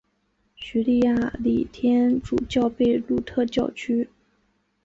叙利亚礼天主教贝鲁特教区。